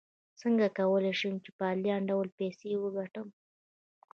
څنګه کولی شم په انلاین ډول پیسې وګټم